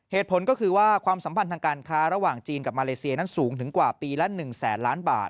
เหตุผลก็คือว่าความสัมพันธ์ทางการค้าระหว่างจีนกับมาเลเซียนั้นสูงถึงกว่าปีละ๑แสนล้านบาท